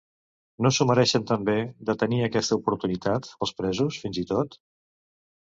No s’ho mereixen també, de tenir aquesta oportunitat, els presos, fins i tot?